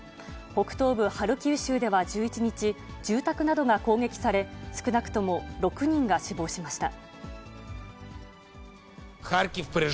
北東部ハルキウ州では１１日、住宅などが攻撃され、少なくとも６人が死亡しました。